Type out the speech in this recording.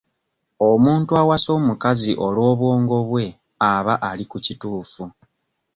Omuntu awasa omukazi olw'obwongo bwe aba ali ku kituufu.